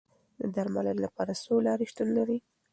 د درملنې لپاره څو لارې شتون لري.